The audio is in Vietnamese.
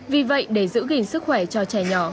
vì vậy để giữ gìn sức khỏe cho trẻ nhỏ